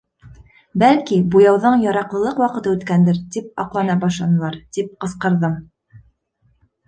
— Бәлки, буяуҙың яраҡлылыҡ ваҡыты үткәндер, — тип аҡлана башланылар. — тип ҡысҡырҙым.